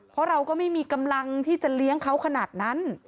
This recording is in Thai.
เพราะเราก็ไม่มีกำลังที่จะเลี้ยงเขาขนาดนั้น